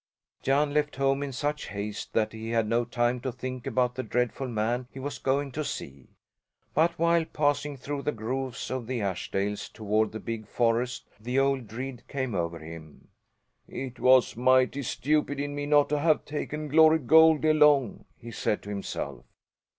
Jan left home in such haste that he had no time to think about the dreadful man he was going to see. But while passing through the groves of the Ashdales toward the big forest the old dread came over him. "It was mighty stupid in me not to have taken Glory Goldie along!" he said to himself.